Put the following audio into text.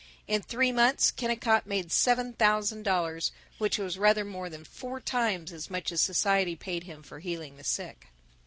In three months Kennicott made seven thousand dollars, which was rather more than four times as much as society paid him for healing the sick.